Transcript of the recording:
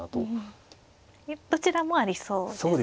どちらもありそうですか。